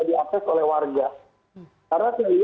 digital ini kalau